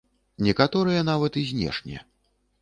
Некаторыя нават і знешне.